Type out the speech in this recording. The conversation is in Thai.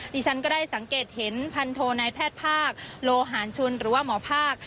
ดิฉันก็ได้สังเกตเห็นพันโทนายแพทย์ภาคโลหารชุนหรือว่าหมอภาค